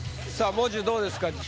さぁもう中どうですか？